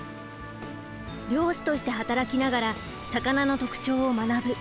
漁師として働きながら魚の特徴を学ぶ。